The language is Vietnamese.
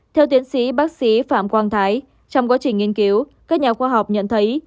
theo tiến sĩ bác sĩ phạm quang thái trong quá trình nghiên cứu các nhà khoa học nhận thấy